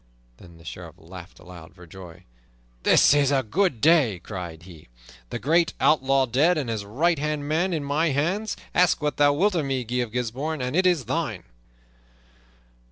Then the Sheriff laughed aloud for joy. "This is a good day!" cried he. "The great outlaw dead and his right hand man in my hands! Ask what thou wilt of me, Guy of Gisbourne, and it is thine!"